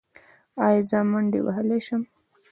ایا زه منډه وهلی شم؟